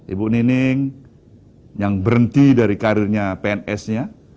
ibu nining yang berhenti dari karirnya pns nya